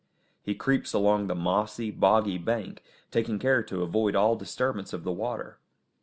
He creeps along the mossy, boggy bank, taking care to avoid all disturbance of the water.